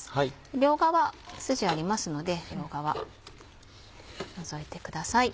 両側筋ありますので除いてください。